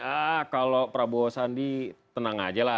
ah kalau prabowo sandi tenang aja lah